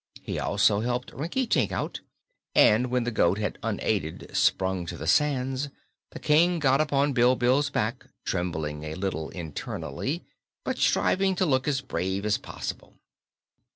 He also helped Rinkitink out, and when the goat had unaided sprung to the sands, the King got upon Bilbil's back, trembling a little internally, but striving to look as brave as possible.